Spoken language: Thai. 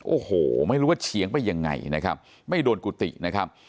โอ้โหไม่รู้ว่าเฉียงไปยังไงนะครับไม่โดนกุฏินะครับ